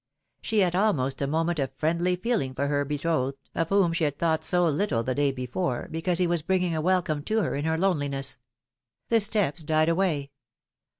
She had almost a moment of friendly feeling for her be trothed, of whom she had thought so little the day before, because he was bringing a welcome to her in her loneli ness. The steps died away.